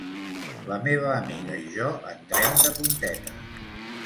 La meva amiga i jo entrem de puntetes.